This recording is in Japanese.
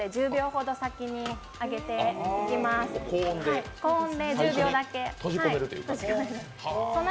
１９０度で１０秒ほど先に揚げていきます、高温で１０秒だけ、閉じ込める。